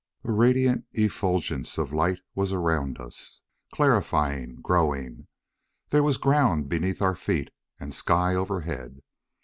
A radiant effulgence of light was around us, clarifying, growing. There was ground beneath our feet, and sky overhead.